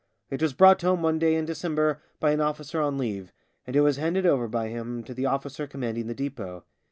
It was brought home one day in December by an officer on leave, and it was handed over by him to the officer commanding the depot.